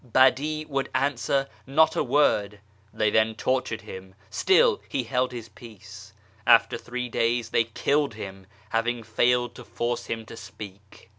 Badi would answer not a word ; then they tortured him, still he held his peace ! After three days they killed him, having failed to force him to speak